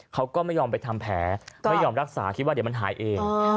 เขาก็ไม่ยอมไปทำแผลไม่ยอมรักษาคิดว่าเดี๋ยวมันหายเอง